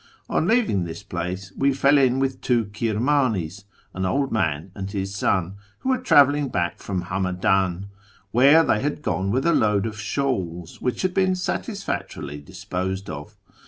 On leaving this place we fell in with two Kirmanis — an old man and his son — who were travelling back from Hamadan, where they had gone with a load of shawls, which had been satisfactorily disj)osed of.